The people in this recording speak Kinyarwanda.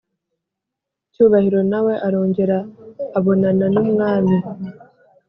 cyubahiro nawe arongera abonana numwami